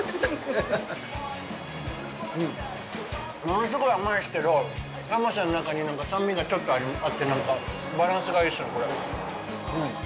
物すごい甘いですけど甘さの中に酸味がちょっとあってバランスがいいですね、これ。